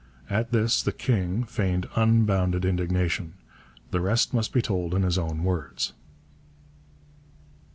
At this the 'King' feigned unbounded indignation. The rest must be told in his own words.